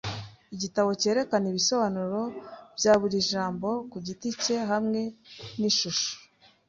Igitabo cyerekana ibisobanuro bya buri jambo kugiti cye hamwe nishusho.